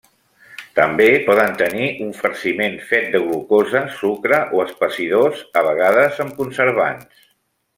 També poden tenir un farciment fet de glucosa, sucre, o espessidors a vegades amb conservants.